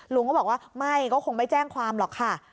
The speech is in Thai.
ลุงก็บอกว่าไม่ก็คงไม่แจ้งความหรอกค่ะ